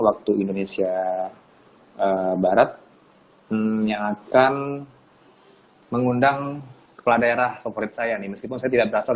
waktu indonesia barat yang akan mengundang kepala daerah favorit saya nih meskipun saya tidak berasal